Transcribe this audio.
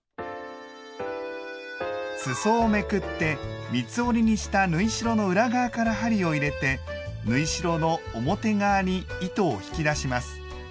すそをめくって三つ折りにした縫い代の裏側から針を入れて縫い代の表側に糸を引き出します。